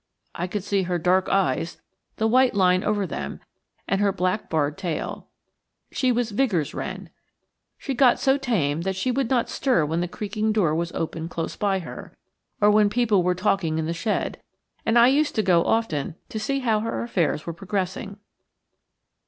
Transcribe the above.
I could see her dark eyes, the white line over them, and her black barred tail. She was Vigor's wren. She got so tame that she would not stir when the creaking door was opened close by her, or when people were talking in the shed; and I used to go often to see how her affairs were progressing.